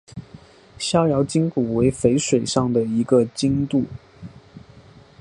逍遥津古为淝水上的一个津渡。